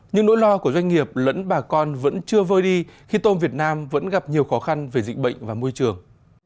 nhưng nỗi lo của doanh nghiệp lẫn bà con vẫn chưa vơi đi khi tôm việt nam vẫn gặp nhiều khó khăn về dịch bệnh và môi trường